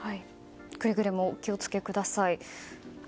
くれぐれもお気を付けください。